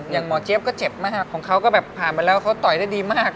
หมอเจี๊ยบก็เจ็บมากของเขาก็แบบผ่านไปแล้วเขาต่อยได้ดีมาก